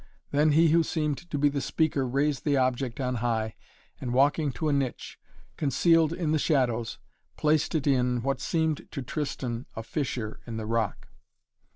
Then he who seemed to be the speaker raised the object on high and, walking to a niche, concealed in the shadows, placed it in, what seemed to Tristan, a fissure in the rock.